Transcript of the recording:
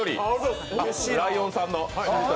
ライオンさんの。